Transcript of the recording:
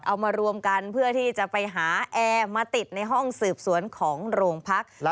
เอามารวมกันเพื่อที่จะไปหาแอร์มาติดในห้องสืบสวนของโรงพัก